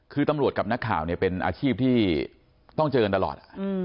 คือตำรวจกับหน้าข่าวเป็นอาชีพที่ต้องเจออาอน